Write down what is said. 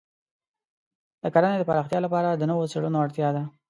د کرنې د پراختیا لپاره د نوو څېړنو اړتیا ده.